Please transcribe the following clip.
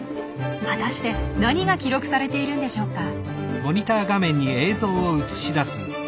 果たして何が記録されているんでしょうか。